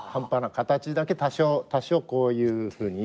形だけ多少こういうふうに。